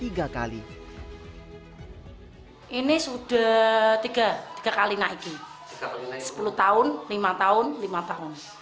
ini sudah tiga kali naikin sepuluh tahun lima tahun lima tahun